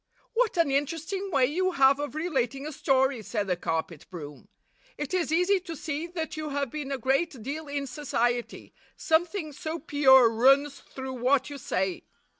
'What an interesting way you have of re lating a story !' said the carpet broom. ' It is easy to see that you have been a great deal in society, something so pure runs through what you say.